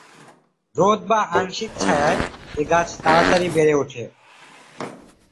রোদ বা আংশিক ছায়ায় এ গাছ তাড়াতাড়ি বেড়ে উঠে।